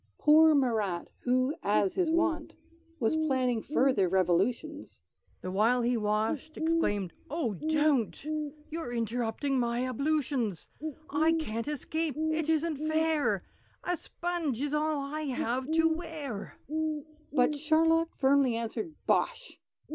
Poor Marat, who (as was his wont) Was planning further Revolutions, The while he washed, exclaimed, "Oh, don't! "You're interrupting my ablutions! "I can't escape; it isn't fair! "A sponge is all I have to wear!" But Charlotte firmly answered "Bosh!"